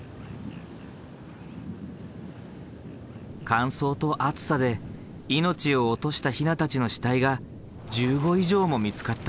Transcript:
乾燥と暑さで命を落としたヒナたちの死体が１５以上も見つかった。